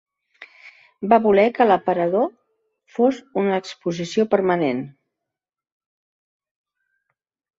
Va voler que l'aparador fos una exposició permanent.